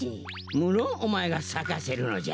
むろんおまえがさかせるのじゃ。